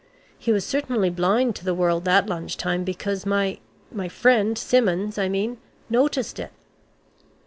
He was certainly blind to the world that lunch time, because my my friend, Simmons, I mean, noticed it."